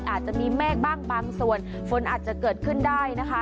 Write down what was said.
อาจจะมีเมฆบ้างบางส่วนฝนอาจจะเกิดขึ้นได้นะคะ